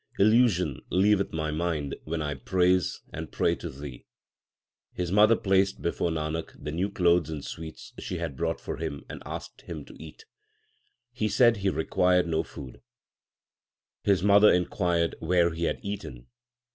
Illusion leaveth my mind when I praise and pray to Thee. 2 His mother placed before Nanak the new clothes and sweets she had brought for him, and asked him to eat. He said he required no food. His mother inquired where he had eaten.